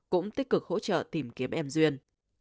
cũng tích cực hỗ trợ tìm kiếm em duyên